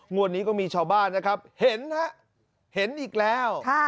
วันนี้ก็มีชาวบ้านนะครับเห็นฮะเห็นอีกแล้ว